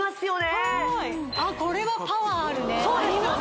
はいこれはパワーあるね